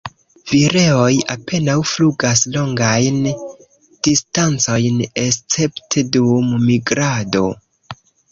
Vireoj apenaŭ flugas longajn distancojn escepte dum migrado.